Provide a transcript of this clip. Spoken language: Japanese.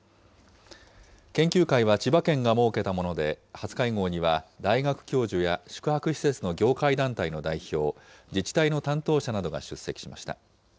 研究会は千葉県が設けたもので、初会合には、大学教授や宿泊施設の業界団体の代表、自治体の担当者などが出席しました。